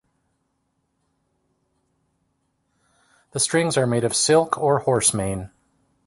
The strings are made of silk or horse mane.